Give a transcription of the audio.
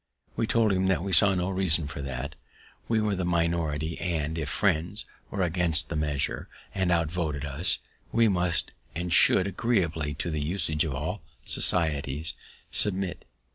We told him that we saw no reason for that; we were the minority, and if Friends were against the measure, and outvoted us, we must and should, agreeably to the usage of all societies, submit.